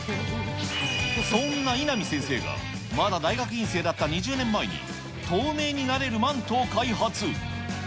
そんな稲見先生がまだ大学院生だった２０年前に、透明になれるマントを開発。